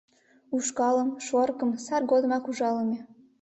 Ушкалым, шорыкым сар годымак ужалыме.